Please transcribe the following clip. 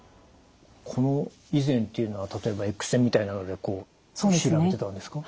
この以前というのは例えばＸ線みたいなので調べてたんですか？